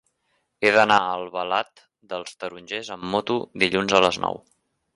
He d'anar a Albalat dels Tarongers amb moto dilluns a les nou.